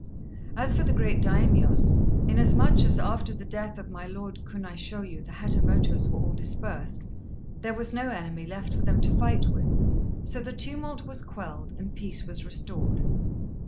As for the great Daimios, inasmuch as after the death of my Lord Kunaishôyu the Hatamotos were all dispersed, there was no enemy left for them to fight with; so the tumult was quelled, and peace was restored.